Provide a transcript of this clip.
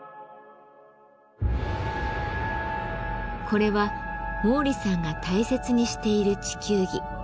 これは毛利さんが大切にしている地球儀。